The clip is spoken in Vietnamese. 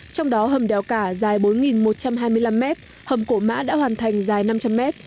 trong đó hầm đèo cả dài bốn một trăm hai mươi năm m hầm cổ mã đã hoàn thành dài năm trăm linh mét